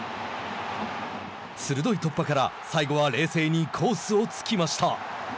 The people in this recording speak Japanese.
鋭い突破から、最後は冷静にコースを突きました。